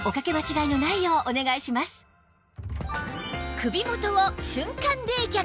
首元を瞬間冷却！